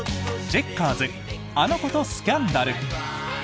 チェッカーズ「あの娘とスキャンダル」。